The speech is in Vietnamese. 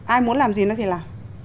ai muốn làm gì nó thì làm